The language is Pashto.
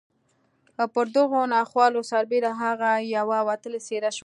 پر دغو ناخوالو سربېره هغه یوه وتلې څېره شوه